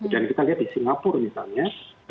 dan kita lihat di singapura misalnya